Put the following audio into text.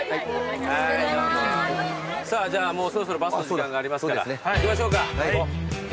さぁじゃあもうそろそろバスの時間がありますから行きましょうか。